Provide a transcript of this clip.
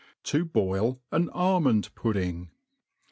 Tq toil an Almond'Puddsng.